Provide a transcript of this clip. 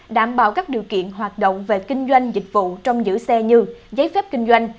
đảm bảo các điều kiện hoạt động về kinh doanh dịch vụ trong giữ xe như giấy phép kinh doanh